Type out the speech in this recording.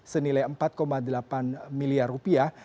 senilai empat delapan miliar rupiah